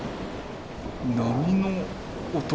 波の音？